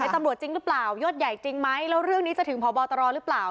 ตำรวจจริงหรือเปล่ายศใหญ่จริงไหมแล้วเรื่องนี้จะถึงพบตรหรือเปล่า